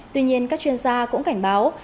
tuy nhiên các chuyên gia cũng cảnh báo